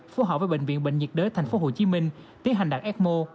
phù hợp với bệnh viện bệnh nhiệt đới tp hcm tiến hành đặt ecmo